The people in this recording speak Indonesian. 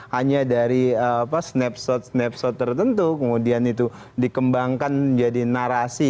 hanya dari snapshot snapshot tertentu kemudian itu dikembangkan menjadi narasi